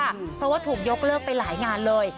เพราะว่าถูกยกเลิกไปหลายงานเลย